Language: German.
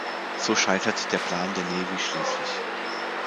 So scheitert der Plan der Navy schließlich.